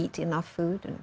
apakah mereka bisa